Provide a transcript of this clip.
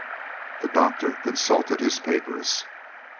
The Doctor consulted his papers.